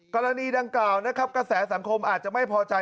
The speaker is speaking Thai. กรณีดังกล่าวนะครับกระแสสังคมอาจจะไม่พอใจ